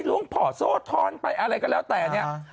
หลวงพ่อโสธรไปอะไรก็แล้วแต่เนี่ย